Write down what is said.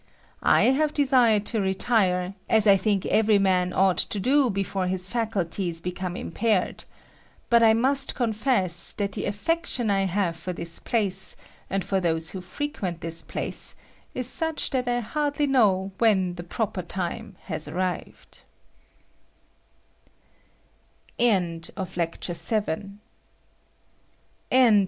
I have desired to retire, as I think every man ought to do before his faculties become impaired ; but I must confess that the affection I have for this place, and for those who frequent this place, is such that I hardly know when the proper time has arrived.